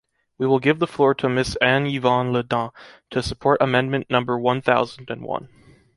We will give the floor to Mrs Anne-Yvonne Le Dain, to support amendment number one thousand and one.